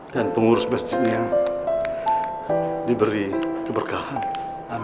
dan pengurus masjidnya diberi keberkahan